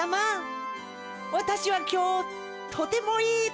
わたしはきょうとてもいいことをしました。